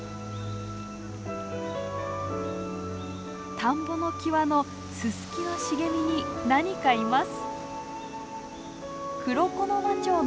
田んぼの際のススキの茂みに何かいます。